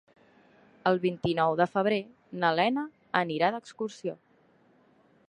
El vint-i-nou de febrer na Lena anirà d'excursió.